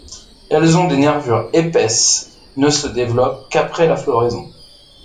Elles ont des nervures épaisses ne se développent qu'après la floraison.